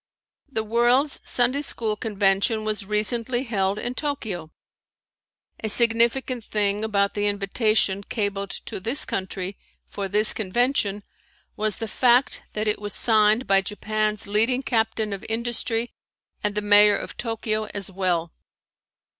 The World's Sunday School Convention was recently held in Tokyo. A significant thing about the invitation cabled to this country for this convention was the fact that it was signed by Japan's leading captain of industry and the Mayor of Tokyo as well.